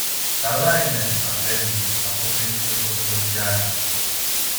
Καλά είναι, Αφέντη, αποκρίθηκε ο πρωτοβεστιάριος